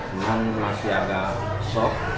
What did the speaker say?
memang masih agak shock